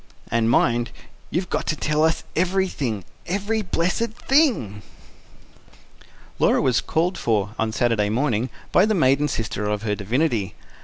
"And mind, you've got to tell us everything every blessed thing!" Laura was called for, on Saturday morning, by the maiden sister of her divinity.